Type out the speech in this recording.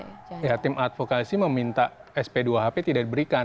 ya tim advokasi meminta sp dua hp tidak diberikan